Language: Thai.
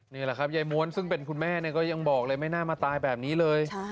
นี่แหละครับยายม้วนซึ่งเป็นคุณแม่ก็ยังบอกเลยไม่น่ามาตายแบบนี้เลย